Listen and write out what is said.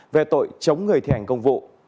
về tội chống người thi hành công vụ